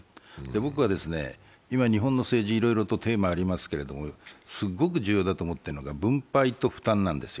僕は今、日本の政治いろいろとテーマがありますけれども、すごく重要だと思っているのが分配と負担なんですよ。